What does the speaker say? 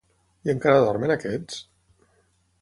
I encara dormen aquests?